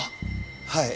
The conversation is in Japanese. はい。